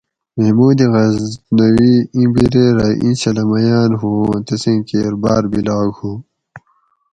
محمود غزنوی ایں بیرے رہ ایں چھلہ میاۤن ھو اوُں تسیں کیر باۤر بیلاگ ہُو